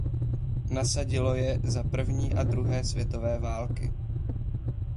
Nasadilo je za první a druhé světové války.